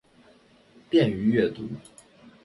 便于阅读